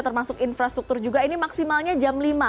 termasuk infrastruktur juga ini maksimalnya jam lima